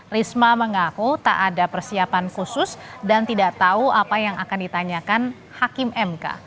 risma mengaku tak ada persiapan khusus dan tidak tahu apa yang akan ditanyakan hakim mk